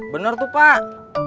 bener tuh pak